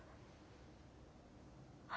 あ。